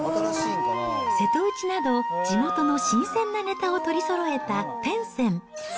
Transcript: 瀬戸内など、地元の新鮮なネタを取りそろえた天扇。